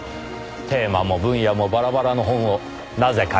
テーマも分野もバラバラの本をなぜ借りていたのか？